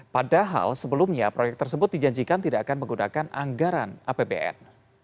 padahal sebelumnya proyek tersebut dijanjikan tidak akan menggunakan anggaran apbn